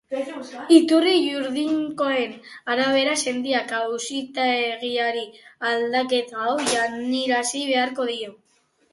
Iturri juridikoen arabera, sendiak auzitegiari aldaketa hau jakinarazi beharko dio.